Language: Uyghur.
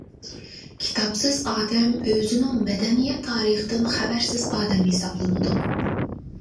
كىتابسىز ئادەم ئۆزىنىڭ مەدەنىيەت تارىخىدىن خەۋەرسىز ئادەم ھېسابلىنىدۇ.